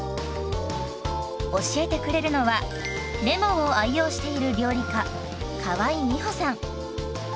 教えてくれるのはレモンを愛用している料理家河井美歩さん。